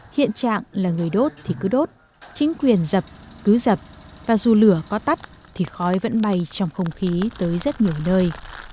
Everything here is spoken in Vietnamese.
hiện trạng là người đốt thì cứ đốt chính quyền dập cứ dập và dù lửa có tắt thì khói vẫn bay trong không khí tới rất nhiều nơi